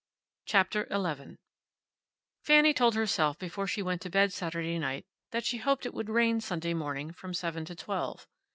CHAPTER ELEVEN Fanny told herself, before she went to bed Saturday night, that she hoped it would rain Sunday morning from seven to twelve.